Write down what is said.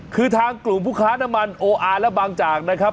คือทางกลุ่มผู้ค้าน้ำมันโออาร์และบางจากนะครับ